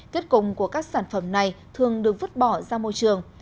kết cùng của các sản phẩm này thường được vứt bỏ ra môi trường